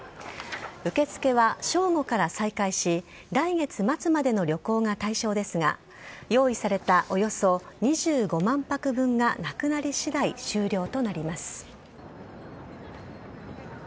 受け付けは正午から再開し来月末までの旅行が対象ですが用意されたおよそ２５万泊分がなくなり次第終了となります。